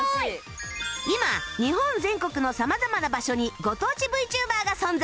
今日本全国の様々な場所にご当地 ＶＴｕｂｅｒ が存在